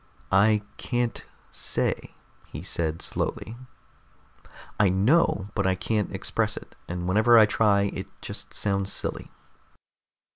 "I can't say," he said slowly. "I know, but I can't express it, and whenever I try, it just sounds silly."